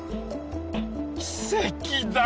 奇跡だ。